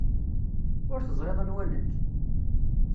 Ur teẓriḍ anwa nekk?